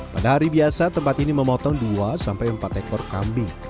pada hari biasa tempat ini memotong dua sampai empat ekor kambing